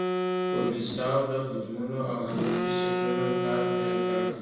کوبیسټاو د حجمونو او هندسي شکلونو کار پیل کړ.